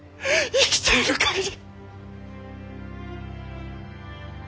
生きている限り。